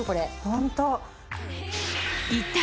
本当。